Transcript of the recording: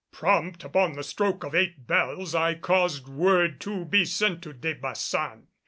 Prompt upon the stroke of eight bells I caused word to be sent to De Baçan.